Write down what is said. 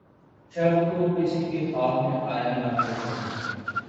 شب کو‘ کسی کے خواب میں آیا نہ ہو‘ کہیں!